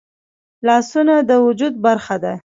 لاسونه د وجود برخه ده